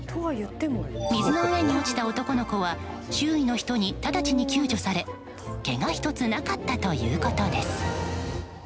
水の上に落ちた男の子は周囲の人に直ちに救助されけが１つなかったということです。